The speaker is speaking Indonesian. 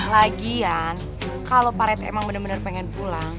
lagian kalau pak rete emang bener bener pengen pulang